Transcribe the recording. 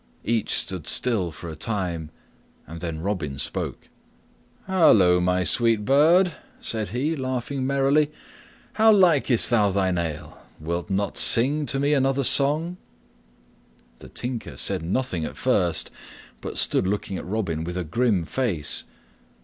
Each stood still for a time, and then Robin spoke: "Halloa, my sweet bird," said he, laughing merrily, "how likest thou thine ale? Wilt not sing to me another song?" The Tinker said nothing at first but stood looking at Robin with a grim face.